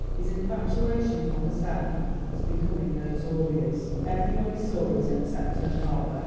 His infatuation for herself was becoming notorious; everybody saw it except her father.